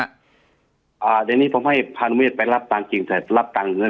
อ่าแต่นี่ผมให้พนมวิทย์ไปรับการจริงแต่รับการเนื้อ